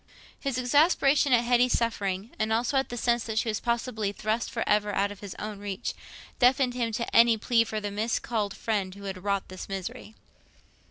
His exasperation at Hetty's suffering—and also at the sense that she was possibly thrust for ever out of his own reach—deafened him to any plea for the miscalled friend who had wrought this misery.